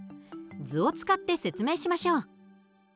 図を使って説明しましょう。